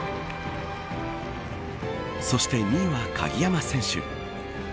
そして２位は鍵山選手。